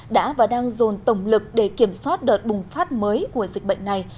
đã và đang dồn tổng lực để kiểm soát đợt bùng phát mới của dịch bệnh này